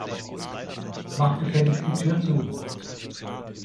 Mach gefälligst die Tür zu.